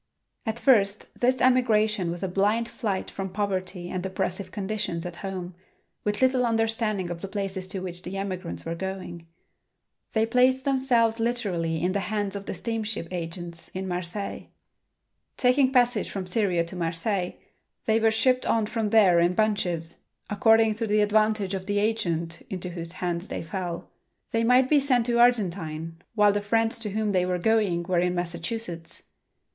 At first this emigration was a blind flight from poverty and oppressive conditions at home, with little understanding of the places to which the emigrants were going. They placed themselves literally in the hands of the steamship agents in Marseilles. Taking passage from Syria to Marseilles, they were shipped on from there in bunches, according to the advantage of the agent into whose hands they fell. They might be sent to Argentine, while the friends to whom they were going were in Massachusetts.